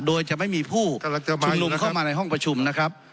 โดยจะไม่มีผู้สำนักฐามายชุมนุมเข้ามาในห้องประชุมนะครับ